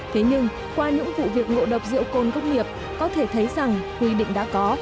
thế nhưng qua những vụ việc ngộ độc rượu cồn công nghiệp có thể thấy rằng quy định đã có